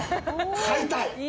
買いたい！